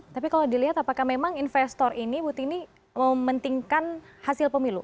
tapi kalau dilihat apakah memang investor ini bu tini mementingkan hasil pemilu